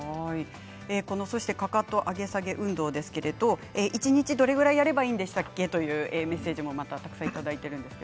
そしてかかと上げ下げ運動ですが一日どれぐらいやればいいんでしたっけ？というメッセージもいただいています。